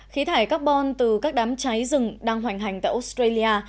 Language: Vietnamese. khí thải carbon từ các đám cháy rừng đang hoành hành tại australia